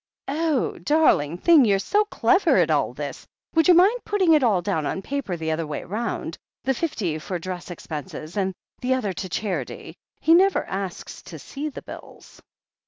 "Oh! Darling thing, you're so clever at all this — would you mind putting it all down on paper the other way round — ^the fifty for dress expenses, and the other to charity? He never asks to see the bills."